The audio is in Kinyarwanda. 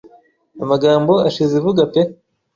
Amagambo ashize ivuga pe